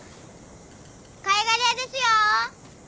貝殻屋ですよ。